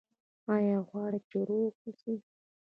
ایا غواړئ چې روغ اوسئ؟